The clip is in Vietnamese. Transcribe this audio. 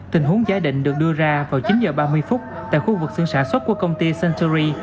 tình huống giá định được đưa ra vào chín h ba mươi phút tại khu vực sửa sản xuất của công ty suntory